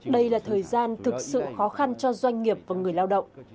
đây là thời gian thực sự khó khăn cho doanh nghiệp và người lao động